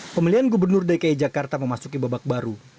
pemilihan gubernur dki jakarta memasuki babak baru